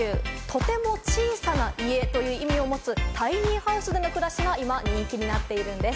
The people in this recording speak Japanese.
とても小さな家という意味を持つ、タイニーハウスでの暮らしが今人気になっているんです。